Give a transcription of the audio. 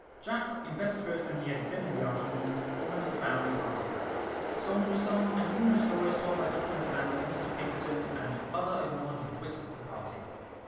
Jack, in better spirits than he had been in the afternoon, joined the family party. Songs were sung, and numerous stories told by Dr Nathaniel, Mr Pinkstone, and other acknowledged wits of the party.